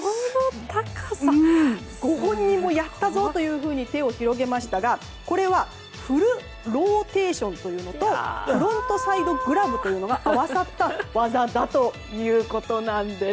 ご本人も、やったぞと手を広げましたが、これはフル・ローテーションというのとフロントサイド・グラブが合わさった技だということです。